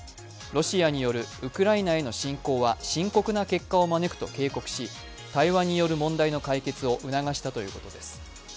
ロシアによるウクライナへの侵攻は深刻な結果を招くと警告し対話による問題の解決を促したということです。